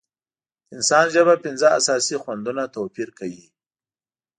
د انسان ژبه پنځه اساسي خوندونه توپیر کوي.